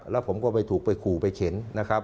แล้วผมก็ไปถูกไปขู่ไปเข็นนะครับ